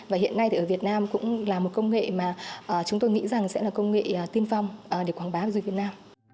và hiện nay thì ở việt nam cũng là một công nghệ mà chúng tôi nghĩ rằng sẽ là công nghệ tiên phong để quảng bá du lịch việt nam